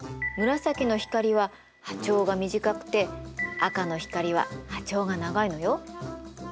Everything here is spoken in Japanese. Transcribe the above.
紫の光は波長が短くて赤の光は波長が長いのよ。